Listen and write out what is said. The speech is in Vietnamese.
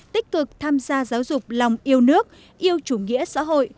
tích cực tham gia giáo dục lòng yêu nước yêu chủ nghĩa xã hội